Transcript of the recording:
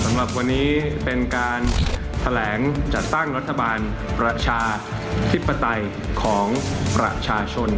สำหรับวันนี้เป็นการแผลงจัดตั้งรัฐบาลขับประชาชน